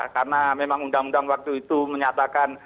karena memang undang undang waktu itu menyatakan